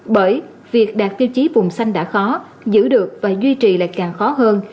bởi việc đạt tiêu chí vùng xanh đã khó giữ được và duy trì lại càng khó hơn